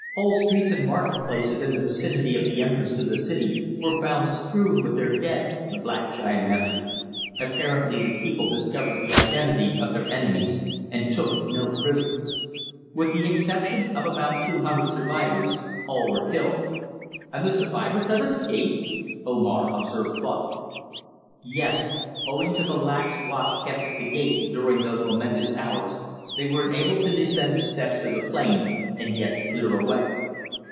Whole streets and market places in the vicinity of the entrance to the city were found strewn with their dead," the black giant answered. "Apparently the people discovered the identity of their enemies and took no prisoners. With the exception of about two hundred survivors all were killed." "And the survivors have escaped!" Omar observed thoughtfully. "Yes. Owing to the lax watch kept at the gate during those momentous hours, they were enabled to descend the steps to the plain and get clear away."